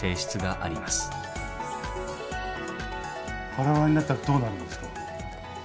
バラバラになったらどうなるんですか？